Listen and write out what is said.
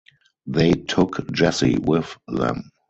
They took Jessie with them.